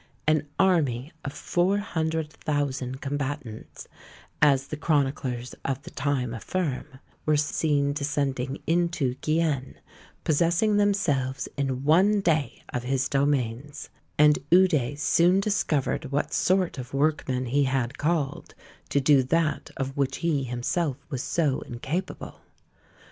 An army of four hundred thousand combatants, as the chroniclers of the time affirm, were seen descending into Guienne, possessing themselves in one day of his domains; and Eude soon discovered what sort of workmen he had called, to do that of which he himself was so incapable.